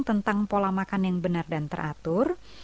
tentang pola makan yang benar dan teratur